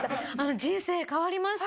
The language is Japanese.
人生変わりました。